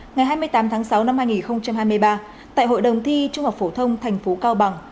ngày hai mươi tám tháng sáu năm hai nghìn hai mươi ba tại hội đồng thi trung học phổ thông thành phố cao bằng